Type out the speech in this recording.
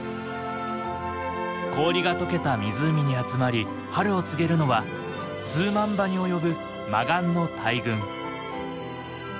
氷がとけた湖に集まり春を告げるのは数万羽に及ぶマガンの大群。